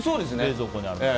そうですね。